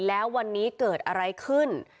แล้ววันนี้เกิดอะไรขึ้น